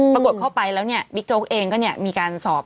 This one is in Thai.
ปรากฏเข้าไปแล้วบิ๊กโจ๊กเองก็มีการสอบ